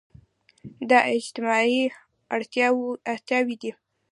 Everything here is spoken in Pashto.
دا اجتماعي اړتياوې دي.